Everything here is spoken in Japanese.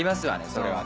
それはね。